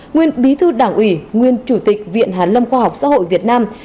nguyên bí thư đảng ủy nguyên chủ tịch viện hàn lâm khoa học xã hội việt nam